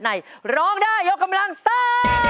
ร้องได้ยกกำลังซ่า